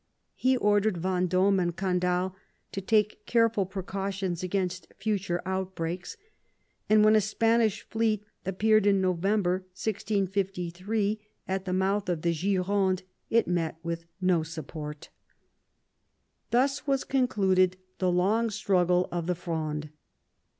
He ordered Vend6me and Candale to take careful precautions against future outbreaks, and when a Spanish fleet appeared in No vember 1 653, at the mouth of the Gironde, it met with no support. Thus was concluded the long struggle of the Fronde.